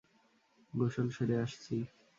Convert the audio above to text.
গোসল সেরে আসছি।